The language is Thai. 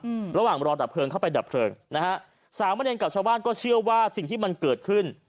อืมระหว่างรอดับเพลิงเข้าไปดับเพลิงนะฮะสามเณรกับชาวบ้านก็เชื่อว่าสิ่งที่มันเกิดขึ้น